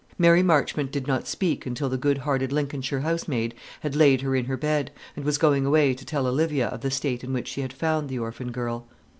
Mary Marchmont did not speak until the good hearted Lincolnshire housemaid had laid her in her bed, and was going away to tell Olivia of the state in which she had found the orphan girl.